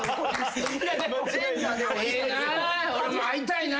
ええな俺も会いたいな！